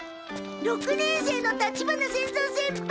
六年生の立花仙蔵先輩。